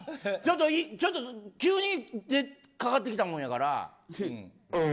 ちょっと急にかかってきたもんやから。